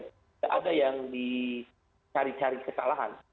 tidak ada yang dicari cari kesalahan